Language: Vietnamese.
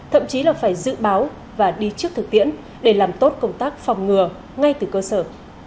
thậm chí là phải dự báo và đi trước thực tiễn để làm tốt công tác phòng ngừa ngay từ cơ sở